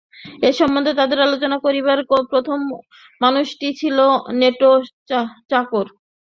এ সম্বন্ধে তাঁহার আলোচনা করিবার প্রথম মানুষটি ছিল নোটো চাকর।